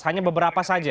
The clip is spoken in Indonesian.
hanya beberapa saja